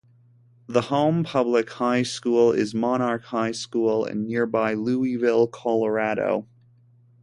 The home public high school is Monarch High School in nearby Louisville, Colorado.